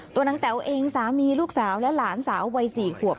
นางแต๋วเองสามีลูกสาวและหลานสาววัย๔ขวบ